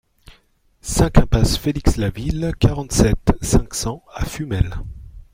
cinq impasse Félix Laville, quarante-sept, cinq cents à Fumel